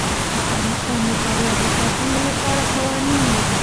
افغانستان د فاریاب د ساتنې لپاره قوانین لري.